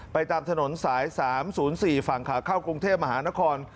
ตามถนนสาย๓๐๔ฝั่งขาเข้ากรุงเทพมหานคร